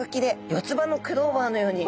四つ葉のクローバーのように。